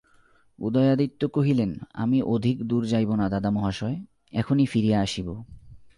উদয়াদিত্য কহিলেন, আমি অধিক দূর যাইব না দাদামহাশয়, এখনই ফিরিয়া আসিব।